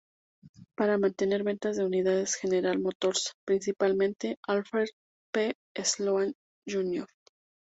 Para mantener ventas de unidades General Motors, principalmente, Alfred P. Sloan Jr.